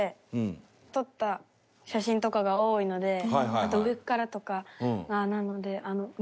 あと上からとかなので。